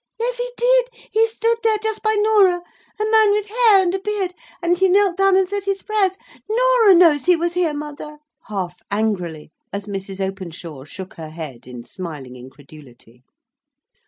"Yes, he did. He stood there. Just by Norah. A man with hair and a beard. And he knelt down and said his prayers. Norah knows he was here, mother" (half angrily, as Mrs. Openshaw shook her head in smiling incredulity).